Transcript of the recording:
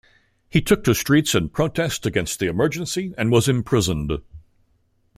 He took to streets in protest against the emergency and was imprisoned.